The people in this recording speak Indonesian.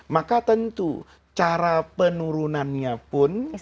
maka tentu cara penurunannya pun